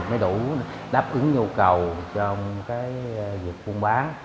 mới đủ đáp ứng nhu cầu trong cái dịch phun bán